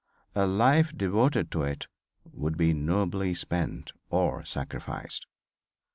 A life devoted to it would be nobly spent or sacrificed."